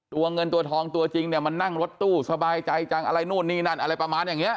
เงินตัวทองตัวจริงเนี่ยมันนั่งรถตู้สบายใจจังอะไรนู่นนี่นั่นอะไรประมาณอย่างนี้